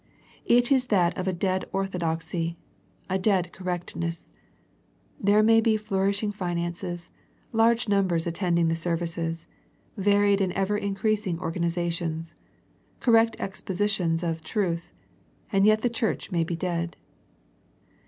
It is that of a dead orthodoxy, a dead correctness. There may be flourishing finances, large numbers attending the services, varied and ever increasing organ izations, correct expositions of truth, and yet the church may be dead.